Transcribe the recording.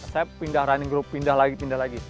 saya pindah running group pindah lagi pindah lagi